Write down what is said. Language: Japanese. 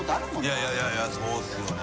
いやいやそうですよね。